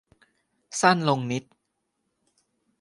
สั้นลงนิด